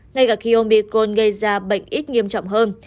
ngay cả khi omicron gây ra bệnh ít nghiêm trọng hơn